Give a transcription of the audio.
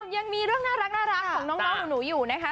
ยังมีเรื่องน่ารักของน้องหนูอยู่นะคะ